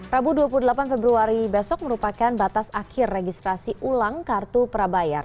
rabu dua puluh delapan februari besok merupakan batas akhir registrasi ulang kartu prabayar